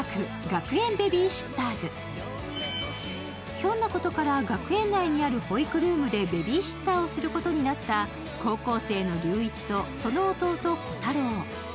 ひょんなことから学園内にある保育ルームでベビーシッターをすることになった高校生の竜一とその弟・虎太郎。